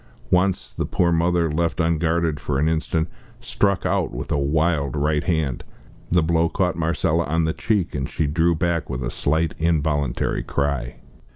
Once, the poor mother, left unguarded for an instant, struck out with a wild right hand. The blow caught Marcella on the cheek, and she drew back with a slight involuntary cry.